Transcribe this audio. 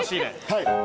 はい。